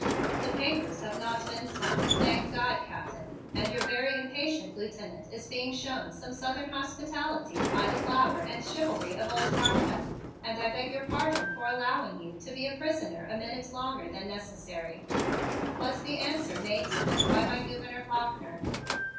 "The papers have not been signed, thank God, Captain, and your very impatient lieutenant is being shown some Southern hospitality by the flower and chivalry of Old Harpeth. And I beg your pardon for allowing you to be a prisoner a minute longer than necessary," was the answer made to him by my Gouverneur Faulkner.